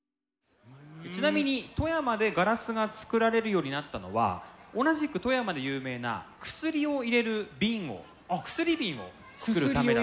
ちなみに富山でガラスが作られるようになったのは同じく富山で有名な薬を入れる瓶を薬瓶を作るためだった。